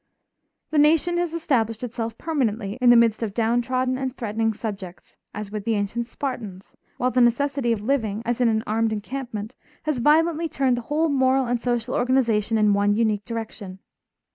The nation has established itself permanently in the midst of downtrodden and threatening subjects, as with the ancient Spartans, while the necessity of living, as in an armed encampment, has violently turned the whole moral and social organization in one unique direction.